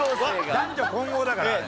男女混合だからあれ。